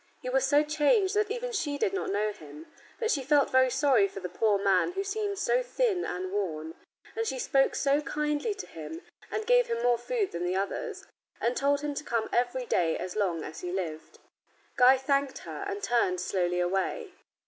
He was so changed that even she did not know him, but she felt very sorry for the poor man who seemed so thin and worn, so she spoke kindly to him and gave him more food than the others, and told him to come every day as long as he lived. Guy thanked her, and turned slowly away.